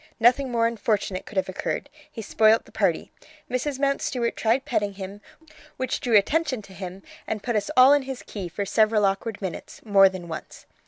Nothing more unfortunate could have occurred; he spoilt the party. Mrs. Mountstuart tried petting him, which drew attention to him, and put us all in his key for several awkward minutes, more than once.